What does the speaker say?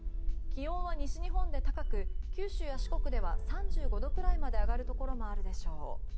気温は西日本で高く九州や四国では３５度くらいまで上がるところもあるでしょう。